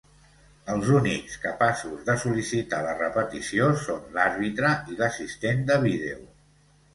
Els únics capaços de sol·licitar la repetició són l'àrbitre i l'assistent de vídeo.